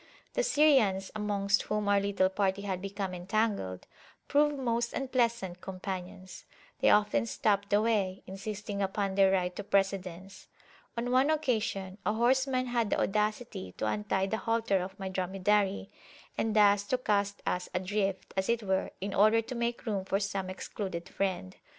The Syrians, amongst whom our little party had become entangled, proved most unpleasant companions: they often stopped the way, insisting upon their right to precedence. On one occasion a horseman had the audacity to untie the halter of my dromedary, and thus to cast us adrift, as it were, in order to make room for some excluded friend.